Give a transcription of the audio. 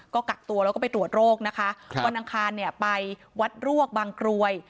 ก็กักตัวแล้วก็ไปตรวจโรคนะคะครับวันอังคารเนี่ยไปวัดรวกบางกรวย